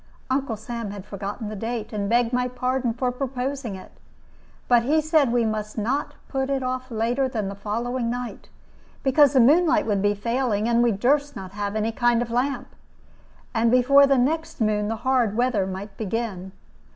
Uncle Sam had forgotten the date, and begged my pardon for proposing it; but he said that we must not put it off later than the following night, because the moonlight would be failing, and we durst not have any kind of lamp, and before the next moon the hard weather might begin.